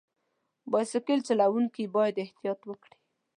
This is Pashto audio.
بایسکل چلوونکي باید احتیاط وکړي.